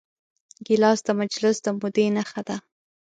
ګیلاس د مجلس د مودې نښه ده.